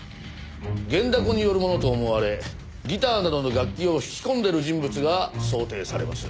弦ダコによるものと思われギターなどの楽器を弾き込んでいる人物が想定されます。